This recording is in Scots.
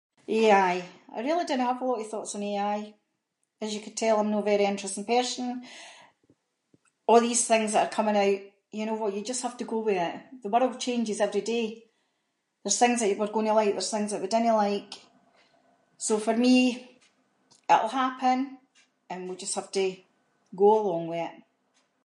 AI, I really dinnae have a lot of thoughts on AI, as you could tell I’m no a very interesting person, a’ these things that are coming out, you know what you just have to go with it, the world changes every day, there’s things that we’re going to like, there’s things that we dinnae like, so for me it’ll happen and we’ll just have to go along with it.